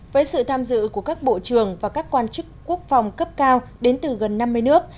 với sự tham dự của các bộ trưởng và các quan chức quốc phòng cấp cao đến từ gần năm mươi nước